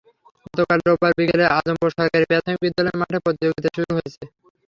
গতকাল রোববার বিকেলে আজমপুর সরকারি প্রাথমিক বিদ্যালয় মাঠে প্রতিযোগিতা শুরু হয়েছে।